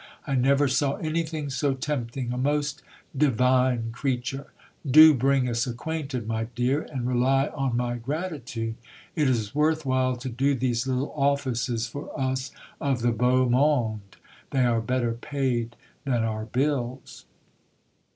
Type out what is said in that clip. I never saw anything so tempting ; a most divine creature ! Do bring us acquainted, my dear, and rely on my gratitude. It is worth while to do these hide offices for us of the beau tnonde ; they are better paid than our bills.